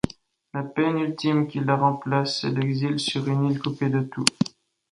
La peine ultime qui la remplace est l’exil sur une île coupée de tout.